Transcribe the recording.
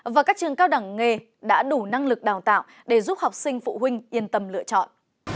và các trường cao đẳng nghề đã đủ năng lực đào tạo để giúp học sinh phụ huynh yên tâm lựa chọn